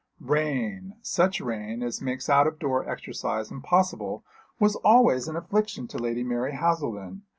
Rain such rain as makes out of door exercise impossible was always an affliction to Lady Mary Haselden.